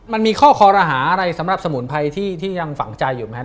มันมีข้อคอรหาอะไรสำหรับสมุนไพรที่ยังฝังใจอยู่ไหมครับ